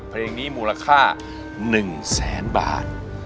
เพลงนี้มูลค่า๑แสนบาท